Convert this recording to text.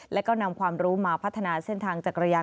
แล้วก็นำความรู้มาพัฒนาเส้นทางจักรยาน